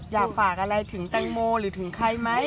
อยากฝากอะไรถึงแตงโมหรือถึงใครไหม